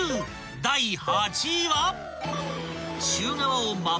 ［第８位は］